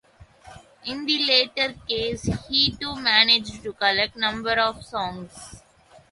In the latter case he too managed to collect a number of songs.